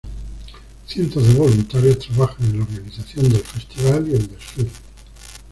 Cientos de voluntarios trabajan en la organización del festival y el desfile.